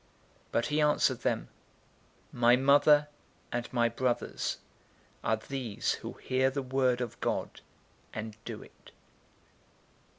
008:021 But he answered them, "My mother and my brothers are these who hear the word of God, and do it."